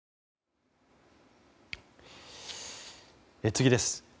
次です。